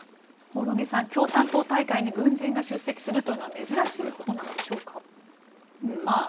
興梠さん、共産党大会に軍人が出席するというのは珍しいことなんでしょうか。